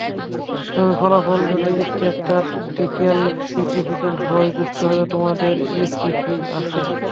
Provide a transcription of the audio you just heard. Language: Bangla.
তবে ফলাফল যদি স্ট্যাটিসটিক্যালি সিগফিকেন্ট হয়, বুঝতে হবে তোমাদের ইএসপি আছে।